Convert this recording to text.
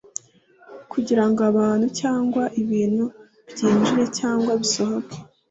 kugirango abantu cyangwa ibintu byinjire cyangwa bisohoke